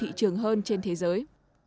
nhiều thị trường hơn trên thế giới